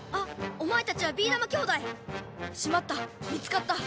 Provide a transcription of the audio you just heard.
おまえたちはビーだま兄弟！しまった見つかった！